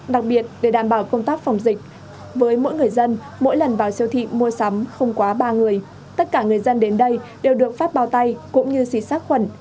đặc biệt để đảm bảo công tác phòng dịch với mỗi người dân mỗi lần vào siêu thị mua sắm không quá ba người tất cả người dân đến đây đều được phát bao tay cũng như xịt sát khuẩn